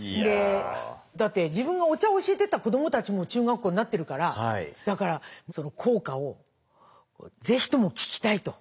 だって自分がお茶を教えてた子どもたちも中学校になってるからだから校歌をぜひとも聴きたいと。